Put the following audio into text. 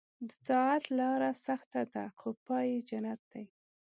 د طاعت لاره سخته ده خو پای یې جنت دی.